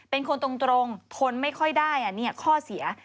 เป็นคนตรงทนไม่ค่อยได้ข้อเสีย